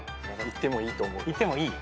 いってもいい？